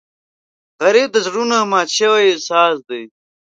غریب د زړونو مات شوی ساز دی